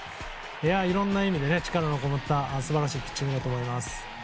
いろんな意味で力のこもった素晴らしいピッチングだと思います。